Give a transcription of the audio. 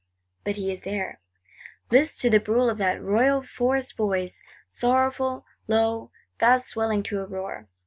But he is there. List to the brool of that royal forest voice; sorrowful, low; fast swelling to a roar!